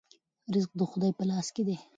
رزق د خدای په لاس کې دی.